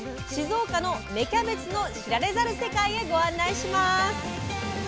静岡の芽キャベツの知られざる世界へご案内します。